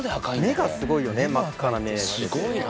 目がすごいよね真っ赤な目してて。